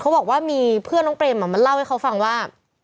บอกว่ามีเพื่อนน้องเปรมมาเล่าให้เขาฟังว่า